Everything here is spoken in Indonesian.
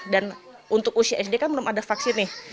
dan untuk usia sd kan belum ada vaksin nih